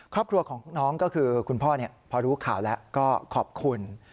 ครอบครัวของน้องก็คือคุณพ่อพอรู้ข่าวแล้วก็ขอบคุณ